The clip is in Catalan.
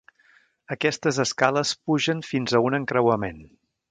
Aquestes escales pugen fins a un encreuament.